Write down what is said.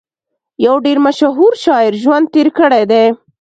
يو ډېر مشهور شاعر ژوند تېر کړی دی